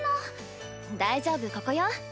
大丈夫ここよ。